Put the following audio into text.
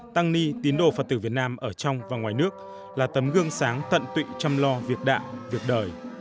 tăng ni tín đồ phật tử việt nam ở trong và ngoài nước là tấm gương sáng tận tụy chăm lo việc đạo việc đời